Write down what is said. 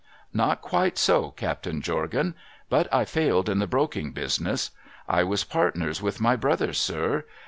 ' Not quite so, Captain Jorgan ; but I failed in the broking business. I was partners with my brother, sir.